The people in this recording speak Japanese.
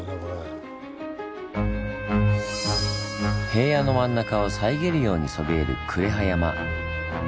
平野の真ん中を遮るようにそびえる呉羽山。